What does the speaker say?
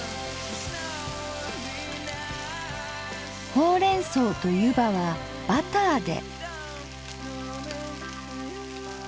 ほうれん草とゆばはバターで。